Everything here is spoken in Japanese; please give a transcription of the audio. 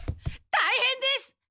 たいへんです！